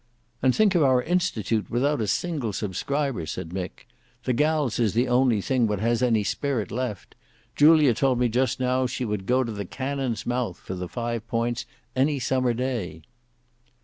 "And think of our Institute without a single subscriber!" said Mick. "The gals is the only thing what has any spirit left. Julia told me just now she would go to the cannon's mouth for the Five Points any summer day."